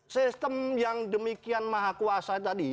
sistem yang demikian maha kuasa tadi